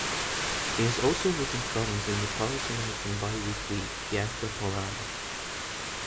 He has also written columns in the Polish-American biweekly, "Gwiazda Polarna".